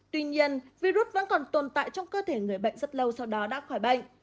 tuy nhiên virus vẫn còn tồn tại trong cơ thể người bệnh rất lâu sau đó đã khỏi bệnh